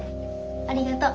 ありがとう。